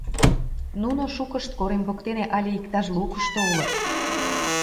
Нуно, шукышт, корем воктене але иктаж лукышто улыт.